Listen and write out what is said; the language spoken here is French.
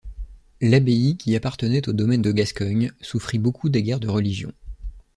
L'abbaye, qui appartenait au domaine de Gascogne, souffrit beaucoup des guerres de Religion.